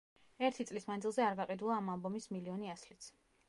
ერთი წლის მანძილზე არ გაყიდულა ამ ალბომის მილიონი ასლიც.